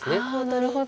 なるほど。